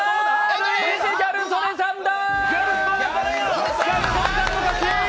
ルイージ、ギャル曽根さんだ！